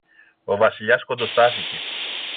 Ο Βασιλιάς κοντοστάθηκε.